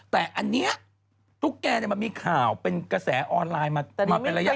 แต่อันเนี้ยทุกแก่มันมีข่าวเป็นกระแสออนไลน์มาเป็นระยะใหญักว่า